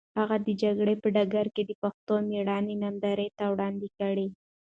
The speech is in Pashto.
هغه د جګړې په ډګر کې د پښتنو مېړانه نندارې ته وړاندې کړه.